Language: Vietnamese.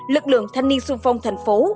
lực lượng thanh niên xung phong thành phố